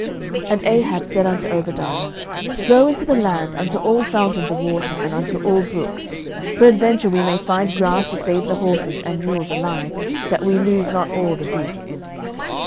11:018:005 And Ahab said unto Obadiah, Go into the land, unto all fountains of water, and unto all brooks: peradventure we may find grass to save the horses and mules alive, that we lose not all the beasts.